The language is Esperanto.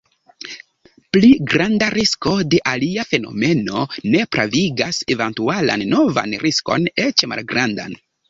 Pli granda risko de alia fenomeno ne pravigas eventualan novan riskon eĉ malgrandan.